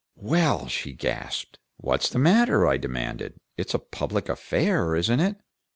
"Well!" she gasped. "What is the matter?" I demanded. "It's a public affair, isn't it?"